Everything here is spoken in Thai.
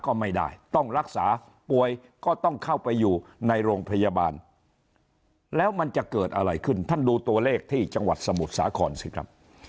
ก็ไม่ได้ต้องรักษาป่วยก็ต้องเข้าไปอยู่ในโรงพยาบาลแล้วมันจะเกิดอะไรขึ้นท่านดูตัวเลขที่จังหวัดสมุทรสาครสิครับ